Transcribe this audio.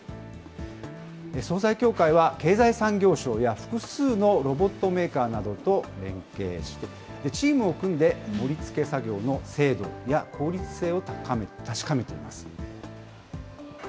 惣菜協会は経済産業省や複数のロボットメーカーなどと連携して、チームを組んで盛りつけ作業の精度や効率性を確かめています。